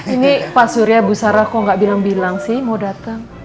ini pak surya busara kok nggak bilang bilang sih mau datang